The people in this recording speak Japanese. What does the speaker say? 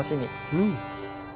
うん。